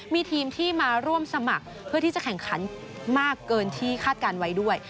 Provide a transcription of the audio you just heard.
มีทีมที่มาร่วมสมัครเพื่อที่จะแข่งขันมากเกินที่คาดการณ์ไว้ด้วย